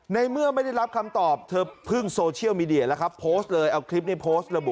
ในเมื่อไม่ได้รับคำตอบเธอพึ่งโซเชียลมีเดียแล้วครับ